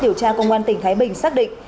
điều tra công an tỉnh thái bình xác định